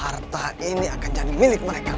itu mungkin betul